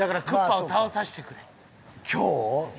今日？